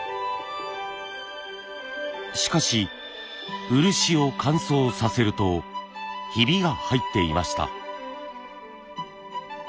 しかし漆を乾燥させるとヒビが入っていました。